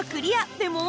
でも。